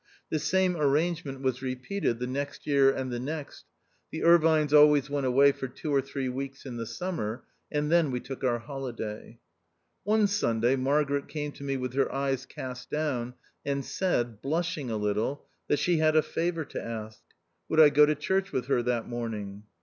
This same arrange 174 THE OUTCAST. ment was repeated the next year and the next : the Irvines always went away for two or three weeks in the summer, and then we took our holiday. One Sunday, Margaret came to me with her eyes cast down, and said, blushing a little, that she had a favour to ask : would I go to church with her that morning